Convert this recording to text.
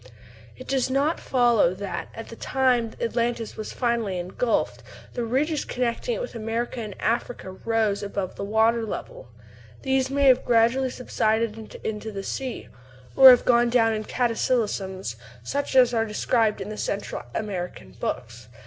It does not follow that, at the time Atlantis was finally ingulfed, the ridges connecting it with America and Africa rose above the water level; these may have gradually subsided into the sea, or have gone down in cataclysms such as are described in the Central American books.